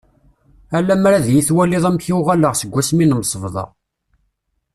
Ah lamer ad iyi-twaliḍ amek uɣaleɣ seg wass mi nemsebḍa.